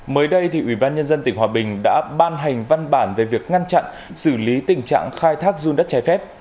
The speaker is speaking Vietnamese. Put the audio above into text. mới đây ủy ban nhân dân tỉnh hòa bình đã ban hành văn bản về việc ngăn chặn xử lý tình trạng khai thác run đất trái phép